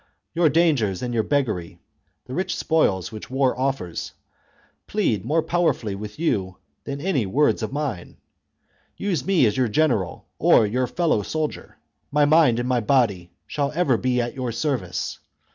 Your dangers and your beggary, the rich spoils which war offers, plead more powerfully with you than any words of mine. Use me as your general or your fellow soldier ; my mind and my body shall ever be THE CONSPIRACY OF CATILINE. I9 at your service.